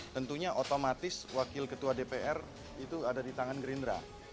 tentunya otomatis wakil ketua dpr itu ada di tangan gerindra